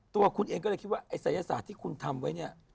ตัวคุณเองก็พหัสที่กูทำแต่เนี้ย